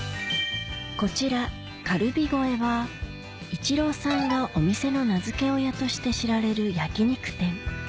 こちらカルビ越えはイチローさんがお店の名付け親として知られる焼肉店